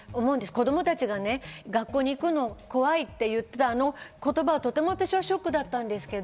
子供たちが学校に行くのは怖いっていう、あの言葉、とても私はショックだったんですけど。